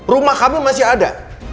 rumah kami masih ada